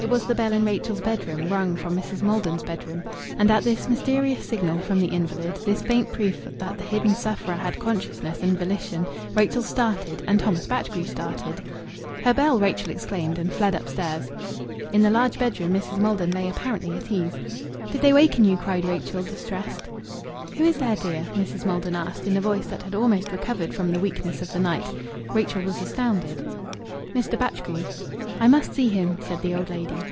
It was the bell in Rachel's bedroom, rung from Mrs. Maldon's bedroom. And at this mysterious signal from the invalid, this faint proof that the hidden sufferer had consciousness and volition, Rachel started and Thomas Batchgrew started. "Her bell!" Rachel exclaimed, and fled upstairs. In the large bedroom Mrs. Maldon lay apparently at ease. "Did they waken you?" cried Rachel, distressed. "Who is there, dear?" Mrs. Maldon asked, in a voice that had almost recovered from the weakness of the night, Rachel was astounded. "Mr. Batchgrew." "I must see him," said the old lady.